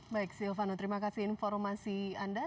baik silvano terima kasih informasi anda